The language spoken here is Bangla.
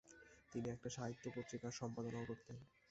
তিনি একটি সাহিত্য পত্রিকার সম্পাদনা ও করতেন।